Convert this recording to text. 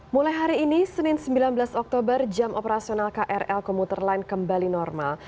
mulai hari ini senin sembilan belas oktober jam operasional krl komuter line kembali normal